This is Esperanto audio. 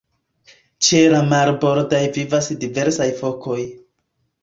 Ĉe la marbordoj vivas diversaj fokoj.